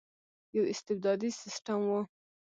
یو استبدادي سسټم وو.